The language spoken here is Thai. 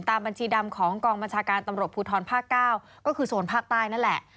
บัญชีดำของกองบัญชาการตำรวจภูทรภาค๙ก็คือโซนภาคใต้นั่นแหละ